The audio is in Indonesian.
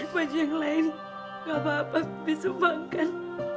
baju yang lain gak apa apa bibi sumbangkan